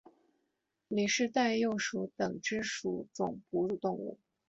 里氏袋鼬属等之数种哺乳动物。